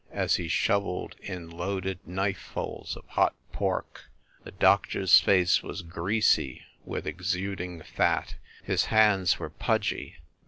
as he shoveled in loaded knife fulls of hot pork. The doctor s face was greasy with exud ing fat. His hands were pudgy.